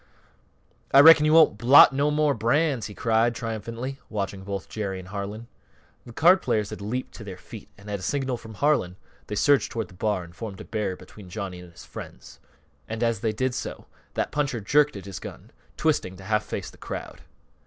"I reckon you won't blot no more brands!" he cried, triumphantly, watching both Jerry and Harlan. The card players had leaped to their feet and at a signal from Harlan they surged forward to the bar and formed a barrier between Johnny and his friends; and as they did so that puncher jerked at his gun, twisting to half face the crowd.